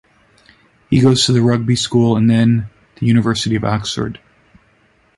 He goes to the Rugby School and then the University of Oxford.